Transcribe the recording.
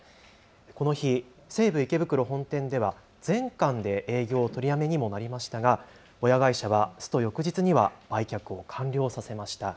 この日、西武池袋本店では全館で営業取りやめにもなりましたが親会社はスト翌日には売却を完了させました。